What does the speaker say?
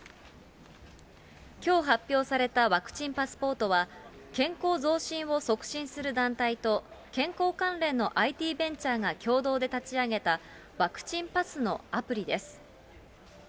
きょう発表されたワクチンパスポートは、健康増進を促進する団体と、健康関連のＩＴベンチャーが共同で立ち上げた、ワクチンパスのアプリです。